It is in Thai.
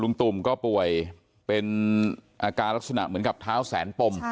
ตุ่มก็ป่วยเป็นอาการลักษณะเหมือนกับเท้าแสนปม